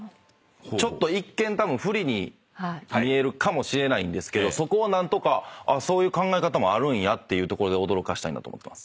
ちょっと一見たぶん不利に見えるかもしれないんですけどそこを何とかそういう考え方もあるんやっていうところで驚かせたいなと思ってます。